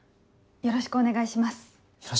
よろしくお願いします。